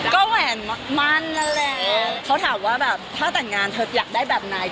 เขาถามว่าแบบถ้าแต่งงานเธออยากได้แบบไหน